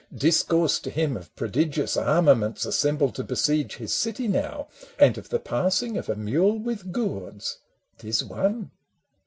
Discourse to him of prodigious armaments Assembled to besiege his city now, And of the passing of a mule wjth gourds — T is one